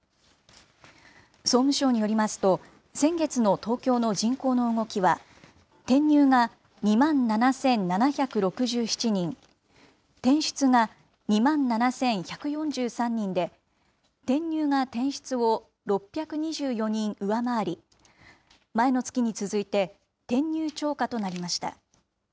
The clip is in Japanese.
総務省によりますと、先月の東京の人口の動きは、転入が２万７７６７人、転出が２万７１４３人で、転入が転出を６２４人上回り、前の月に続いて、転入超過となりました。